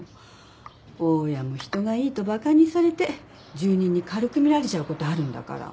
大家も人がいいと馬鹿にされて住人に軽く見られちゃう事あるんだから。